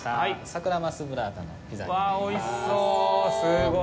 サクラマスブッラータのピザになります。